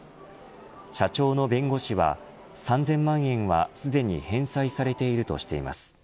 社長の弁護士は３０００万円はすでに返済されているとしています。